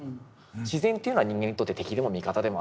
自然というのは人間にとって敵でも味方でもあると。